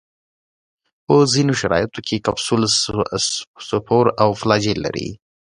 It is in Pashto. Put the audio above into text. په ځینو شرایطو کې کپسول، سپور او فلاجیل لري.